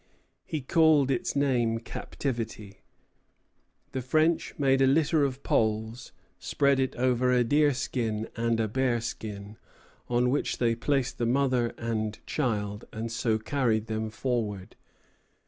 He called its name Captivity." The French made a litter of poles, spread over it a deer skin and a bear skin, on which they placed the mother and child, and so carried them forward.